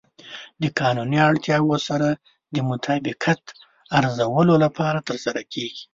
د قانوني اړتیاوو سره د مطابقت ارزولو لپاره ترسره کیږي.